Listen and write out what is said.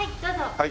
はい。